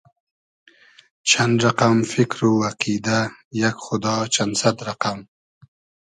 چئن رئقئم فیکر و اقیدۂ یئگ خودا چئن سئد رئقئم